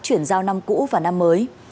chuyển giao năm cũ và năm mới